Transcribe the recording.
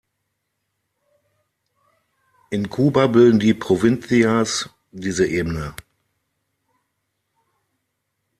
In Kuba bilden die "Provincias" diese Ebene.